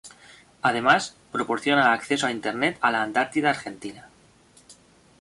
Además, proporciona acceso a Internet a la Antártida Argentina.